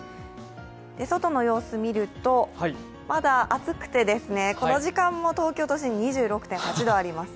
外の様子、見ると、まだ暑くて、この時間も東京都心２６．８度あります。